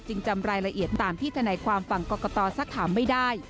จำรายละเอียดตามที่ธนายความฝั่งกรกตสักถามไม่ได้